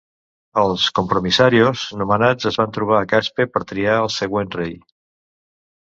Els "compromisarios" nomenats es van trobar a Caspe per triar el següent rei.